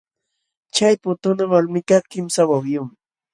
Chay putuuna walmikaq kimsa wawiyuqmi.